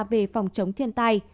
về phòng chống thiên tai